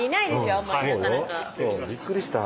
あんまりなかなか失礼しましたびっくりした